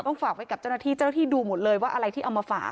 ฝากไว้กับเจ้าหน้าที่เจ้าหน้าที่ดูหมดเลยว่าอะไรที่เอามาฝาก